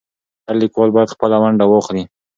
هر لیکوال باید خپله ونډه واخلي.